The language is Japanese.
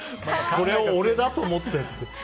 これを俺だと思ってって。